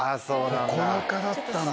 ９日だったんだ。